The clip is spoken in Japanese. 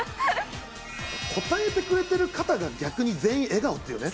答えてくれてる方が逆に全員笑顔っていうね。